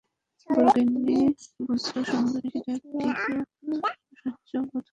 বড়োগিন্নি ব্রজসুন্দরীর সেটা কিছু অসহ্য বোধ হইত।